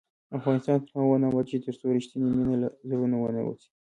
افغانستان تر هغو نه ابادیږي، ترڅو رښتینې مینه له زړونو ونه وځي.